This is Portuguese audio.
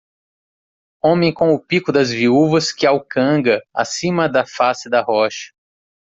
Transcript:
Homem com o pico das viúvas que alcanga acima da face da rocha.